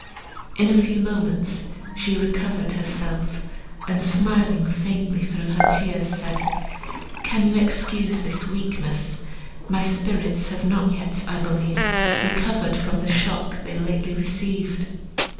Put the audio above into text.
In a few moments, she recovered herself, and smiling faintly through her tears, said, "Can you excuse this weakness? My spirits have not yet, I believe, recovered from the shock they lately received."